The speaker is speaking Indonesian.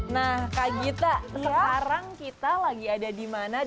nah kak gita sekarang kita lagi ada di mana